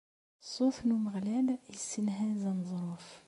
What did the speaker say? Ṣṣut n Umeɣlal issenhaz aneẓruf.